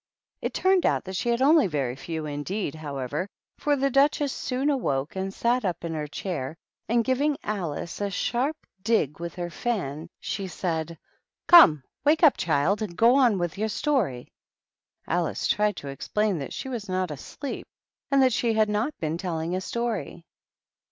It turned out that she had only very few indeed, however. For the Duchess soon awoke and sat up in her 132 THE RED QUEEN AND THE DUCHESS. chair, and, giving Alice a sharp dig with her fim, she said, " Come, wake up, child I and go on with your story." Alice tried to explain that she was not asleep and that she had not been telling a story.